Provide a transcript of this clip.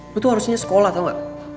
lu tuh harusnya sekolah tau gak